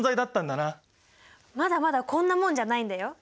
まだまだこんなもんじゃないんだよ。